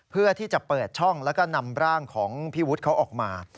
เพื่อที่จะเปิดช่องแล้วก็นำร่างของพี่วุฒิเขาออกมา